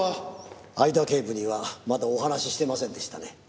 会田警部にはまだお話ししてませんでしたね。